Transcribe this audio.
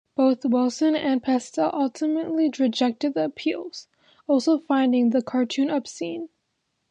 Both Wilson and Pastel ultimately rejected the appeals, also finding the cartoon obscene.